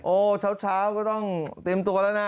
เช้าก็ต้องเตรียมตัวแล้วนะ